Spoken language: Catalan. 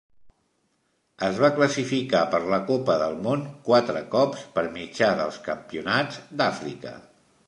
Es va classificar per la Copa del Món quatre cops per mitjà dels campionats d'Àfrica.